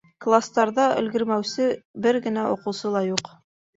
Кластарҙа өлгөрмәүсе бер генә уҡыусы ла юҡ.